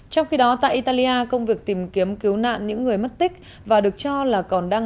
trong khi đó tại italia công việc tìm kiếm cứu nạn những người mất tích và được cho là còn đang